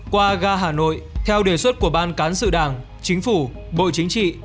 qua ga hà nội theo đề xuất của ban cán sự đảng chính phủ bộ chính trị